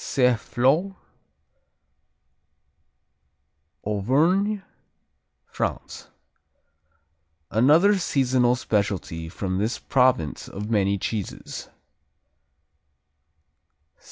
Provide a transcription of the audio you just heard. Saint Flour Auvergne, France Another seasonal specialty from this province of many cheeses.